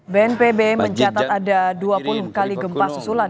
bnpb mencatat ada dua puluh kali gempa susulan